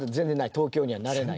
東京には慣れない？